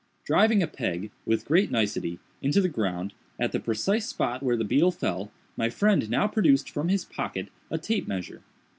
Driving a peg, with great nicety, into the ground, at the precise spot where the beetle fell, my friend now produced from his pocket a tape measure.